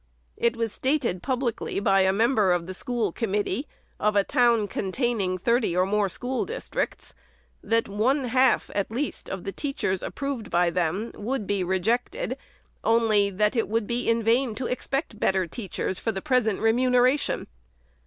It was stated publicly by a member of the school committee of a town, containing thirty or more school districts, that one half at least of the teachers approved by them would be rejected, only that it would be in vain to expect better teachers for present remuneration.